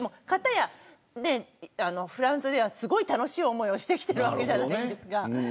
かたや、フランスではすごく楽しい思いをしてるわけじゃないですか。